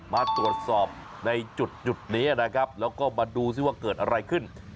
มาตรวจสอบในจุดนี้นะครับแล้วก็มาดูซิว่าเกิดอะไรขึ้น